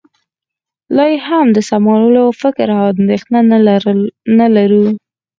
لا یې هم د سمولو فکر او اندېښنه نه لرو